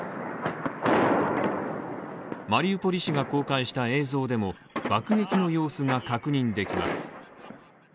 マリウポリ市が公開した映像でも爆撃の様子が確認できます。